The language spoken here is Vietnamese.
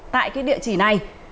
tại cái địa chỉ này